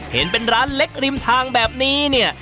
เห็นเป็นร้านเล็กริมทางแบบนี้เนี่ย